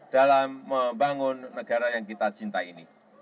dalam membangun negara yang kita cintai ini